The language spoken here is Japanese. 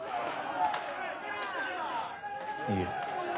いえ。